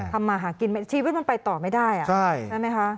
มาหากินชีวิตมันไปต่อไม่ได้ใช่ไหมคะ